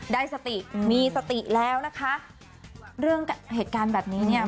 ได้สติมีสติแล้วนะคะเรื่องเหตุการณ์แบบนี้เนี่ย